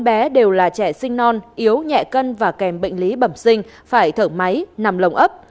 bé đều là trẻ sinh non yếu nhẹ cân và kèm bệnh lý bẩm sinh phải thở máy nằm lồng ấp